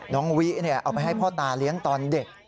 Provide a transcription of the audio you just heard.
น้องวิเอาไปให้พ่อตาเลี้ยงตอนเด็ก